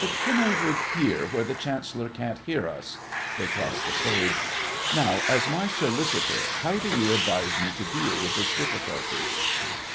Come over here, where the Chancellor can't hear us. (They cross the stage.) Now, as my Solicitor, how do you advise me to deal with this difficulty?